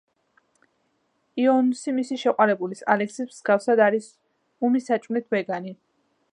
იოუნსი მისი შეყვარებულის, ალექსის მსგავსად არის უმი საჭმლით ვეგანი.